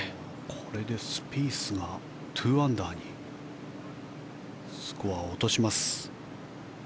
これでスピースが２アンダーにスコアを落とします。